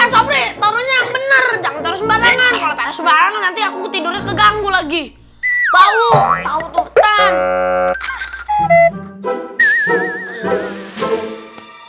asapnya bener jangan terus barang barang nanti aku tidur keganggu lagi bau tahu